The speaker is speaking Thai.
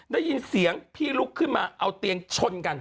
ได้ยินเสียงพี่ลุกขึ้นมาเอาเตียงชนกัน